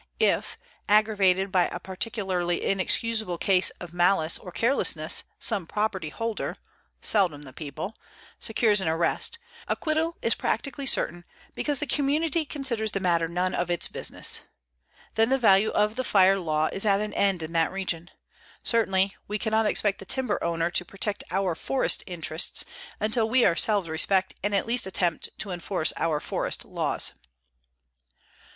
If, aggravated by a particularly inexcusable case of malice or carelessness, some property holder (seldom the people) secures an arrest, acquittal is practically certain because the community considers the matter none of its business. Then the value of the fire law is at an end in that region. Certainly we cannot expect the timber owner to protect our forest interests until we ourselves respect and at least attempt to enforce our forest laws.